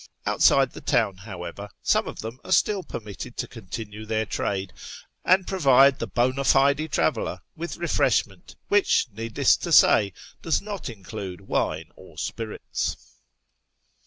Outside the town, however, some of them are still permitted to continue their trade and provide the " hond fide traveller " with refreshment, which, needless to say, does not include wine or spirits.